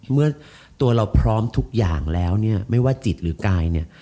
เมื่อตัวเราพร้อมทุกอย่างแล้วไม่ว่าจิตหรือกาย